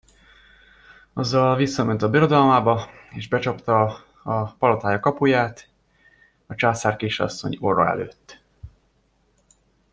Azzal visszament a birodalmába, és becsapta a palotája kapuját a császárkisasszony orra előtt.